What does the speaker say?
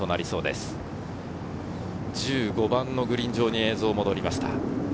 １５番のグリーン上に映像は戻りました。